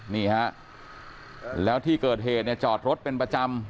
นี่ฮะแล้วที่เกิดเหตุเนี่ยจอดรถเป็นประจำ